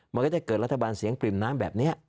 มันก็จะเกิดรัฐบาลเสียงปริ่มน้ำแบบนี้